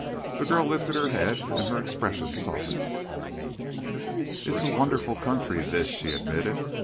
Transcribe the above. The girl lifted her head and her expression softened. "It is a wonderful country, this," she admitted.